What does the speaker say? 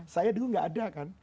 saya dulu nggak ada kan